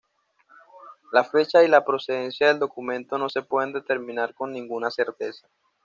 La fecha y la procedencia del documento no se pueden determinar con ninguna certeza.